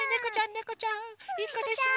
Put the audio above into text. ねこちゃんいいこですね